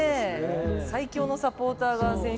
最強のサポーターが選手村に。